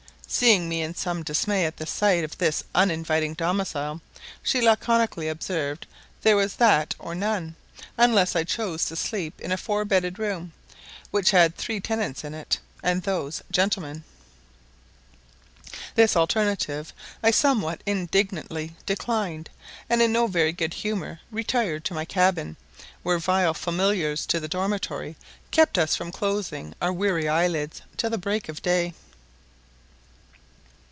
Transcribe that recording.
Seeing me in some dismay at the sight of this uninviting domicile, she laconically observed there was that or none, unless I chose to sleep in a four bedded room, which had three tenants in it, and those gentlemen. This alternative I somewhat indignantly declined, and in no very good humour retired to my cabin, where vile familiars to the dormitory kept us from closing our weary eye lids till the break of day.